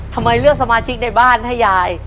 ทำไมเลือกสมาชิกในบ้านให้ยาย